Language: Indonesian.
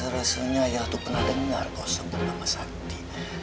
rasanya ayah itu pernah dengar kau sebut nama sakti